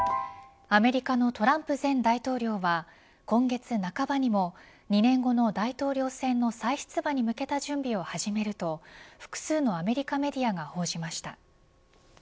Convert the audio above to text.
アメリカのトランプ前大統領は今月半ばにも２年後の大統領選の再出馬に向けた準備を始めると複数のアメリカメディアが報じました。